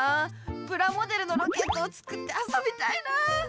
プラモデルのロケットを作ってあそびたいな。